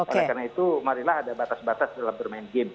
karena itu marilah ada batas batas dalam bermain game